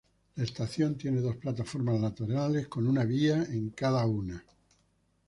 La estación tiene dos plataformas laterales, con una vía en cada una.